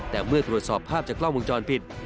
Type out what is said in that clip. แต่เมื่อตรวจสอบภาพจากกล้องวงจรปิด